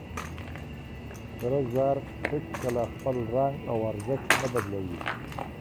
سره زر هيڅکله خپل رنګ او ارزښت نه بدلوي.